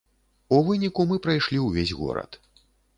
У выніку мы прайшлі ўвесь горад.